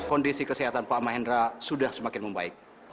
kondisi kesehatan pak mahendra sudah semakin membaik